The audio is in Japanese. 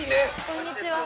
こんにちは。